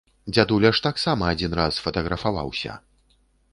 Дзядуля ж таксама адзін раз фатаграфаваўся!